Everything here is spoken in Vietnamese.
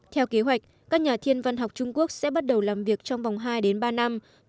theo kế hoạch các nhà thiên văn học trung quốc sẽ bắt đầu làm việc trong vòng hai đến ba năm